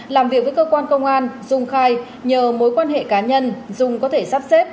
làm việc với cơ quan công an dung khai nhờ mối quan hệ cá nhân dung có thể sắp xếp